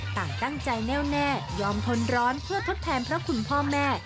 ต่างตั้งใจแน่วแน่ยอมทนร้อนเพื่อทดแทนพระคุณพ่อแม่